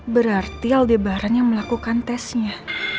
berarti aldebaran yang melakukan tesnya